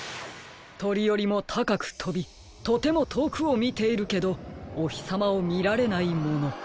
とりよりもたかくとびとてもとおくをみているけどおひさまをみられないもの。